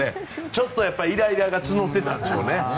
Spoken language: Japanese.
ちょっとイライラが募ってたんでしょうね。